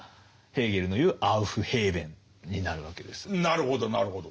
なるほどなるほど。